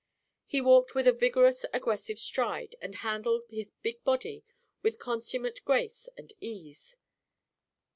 He walked with a vigorous, aggressive stride and handled his big body with consummate grace and ease.